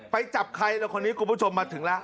ไปจับใครล่ะคนนี้คุณผู้ชมมาถึงแล้ว